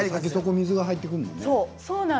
水が入ってくるものね。